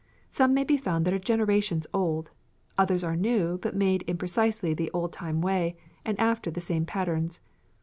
Some may be found that are generations old; others are new, but made in precisely the old time way, and after the same patterns.